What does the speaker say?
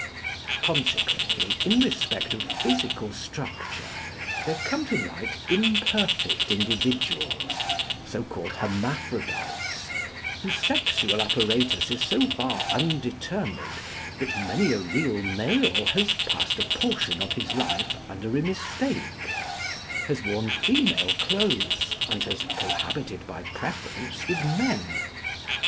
Consequently in respect of physical structure, there come to light imperfect individuals, so called hermaphrodites, whose sexual apparatus is so far undetermined that many a real male has passed a portion of his life under a mistake, has worn female clothes, and has cohabited by preference with men.